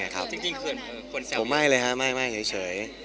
ผมไม่เลยครับไม่เฉย